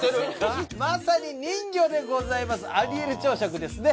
まさに人魚でございますアリエル朝食ですね